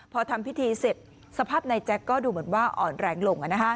พอทำพิธีเสร็จสภาพนายแจ็คก็ดูเหมือนว่าอ่อนแรงลง